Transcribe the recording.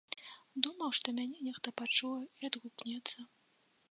Думаў, што мяне нехта пачуе і адгукнецца.